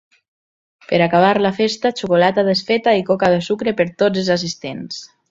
Per acabar la festa, xocolata desfeta i coca de sucre per tots els assistents.